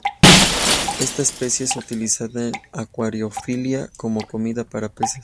Esta especie es utilizada en acuariofilia como comida para peces.